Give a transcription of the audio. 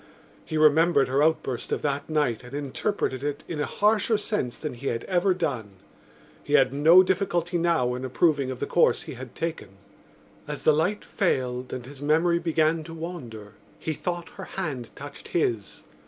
He remembered her outburst of that night and interpreted it in a harsher sense than he had ever done. He had no difficulty now in approving of the course he had taken. As the light failed and his memory began to wander he thought her hand touched his.